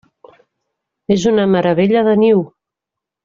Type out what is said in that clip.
És una meravella de niu!